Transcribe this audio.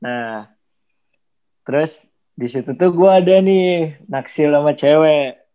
nah terus disitu tuh gue ada nih naksil sama cewek